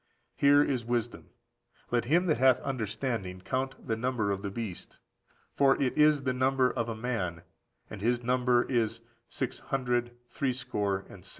Here is wisdom. Let him that hath understanding count the number of the beast; for if is the number of a man, and his number is six hundred threescore and six."